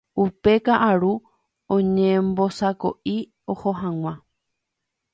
Upe ka'aru oñembosako'i oho hag̃ua